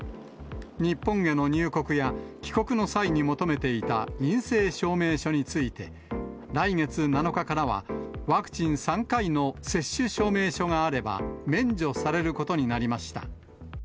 日本への入国や帰国の際に求めていた陰性証明書について、来月７日からは、ワクチン３回の接種証明書があれば、免除されることになりました。